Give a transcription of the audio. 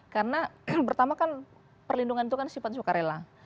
karena pertama kan perlindungan itu kan simpan sukarela